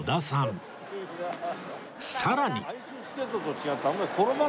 さらに